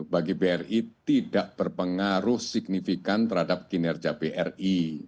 bagi bri tidak berpengaruh signifikan terhadap kinerja bri